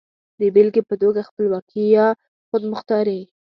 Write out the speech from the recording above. د بېلګې په توګه خپلواکي يا خودمختاري.